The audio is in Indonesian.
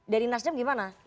dari nasdem gimana